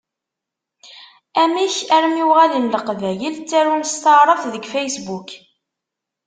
Amek armi uɣalen Leqbayel ttarun s taɛrabt deg Facebook?